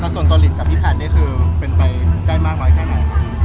ส่วนตัวลินกับพี่แพทย์นี่คือเป็นไปใกล้มากน้อยแค่ไหน